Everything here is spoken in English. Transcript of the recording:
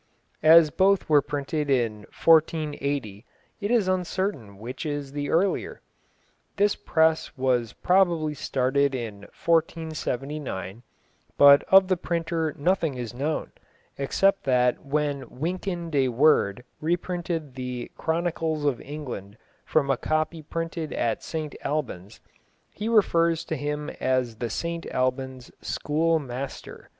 As both were printed in 1480 it is uncertain which is the earlier. This press was probably started in 1479, but of the printer nothing is known, except that when Wynkyn de Worde reprinted the Chronicles of England from a copy printed at St Albans, he refers to him as the St Albans "scole mayster."